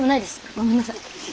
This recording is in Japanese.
ごめんなさい。